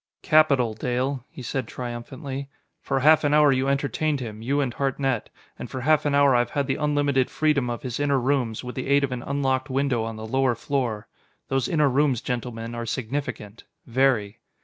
"Capital, Dale," he said triumphantly. "For half an hour you entertained him, you and Hartnett. And for half an hour I've had the unlimited freedom of his inner rooms, with the aid of an unlocked window on the lower floor. Those inner rooms, gentlemen, are significant very!"